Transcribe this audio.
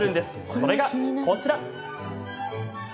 それが、こちら。